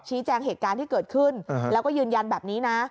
แจ้งเหตุการณ์ที่เกิดขึ้นแล้วก็ยืนยันแบบนี้นะ